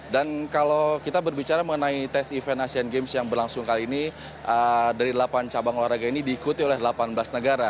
dan kalau kita berbicara mengenai tes event asean games yang berlangsung kali ini dari delapan cabang olahraga ini diikuti oleh delapan belas negara